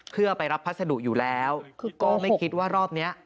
เพื่อไปรับพัสดุอยู่แล้วก็ไม่คิดว่ารอบเนี้ย